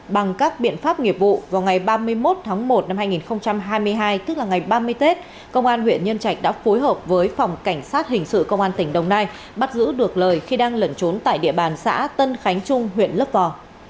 bằng các biện pháp nghiệp vụ vào ngày ba mươi một tháng một năm hai nghìn hai mươi hai tức là ngày ba mươi tết công an huyện nhân trạch đã phối hợp với phòng cảnh sát hình sự công an tỉnh đồng nai bắt giữ được lời khi đang lẩn trốn tại địa bàn xã tân khánh trung huyện lấp vò